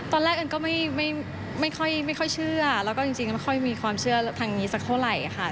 อันก็ไม่ค่อยเชื่อแล้วก็จริงไม่ค่อยมีความเชื่อทางนี้สักเท่าไหร่ค่ะ